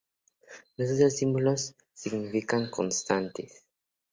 Los otros símbolos significan constantes.